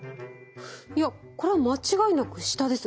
いやこれは間違いなく下です。